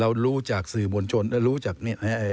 เรารู้จากสื่อมุลชนรู้จากนี่